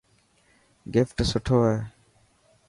گفٽ سٺو هي.